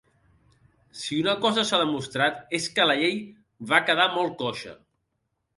Si una cosa s’ha demostrat és que la llei va quedar molt coixa.